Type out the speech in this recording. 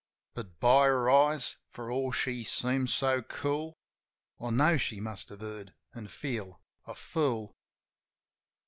But, by her eyes, for all she seemed so cool, I know she must have heard, an' feel a fool.